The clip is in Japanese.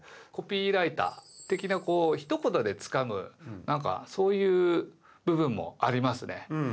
コピーライター的なこうひと言でつかむなんかそういう部分もありますね。